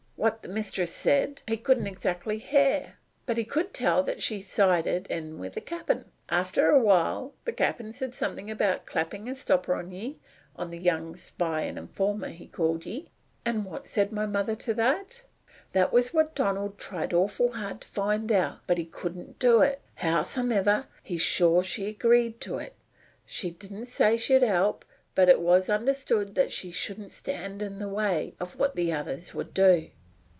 What the mistress said he couldn't exactly hear; but he could tell that she sided in with the cap'n. After awhile the cap'n said something about clappin' a stopper on ye on the young spy and informer, he called ye." "And what said my mother to that?" "That was what Donald tried awful hard to find out but he couldn't do it. Howsumever, he's sure she agreed to it. She didn't say she'd help, but it was understood that she shouldn't stand in the way of what the other would do."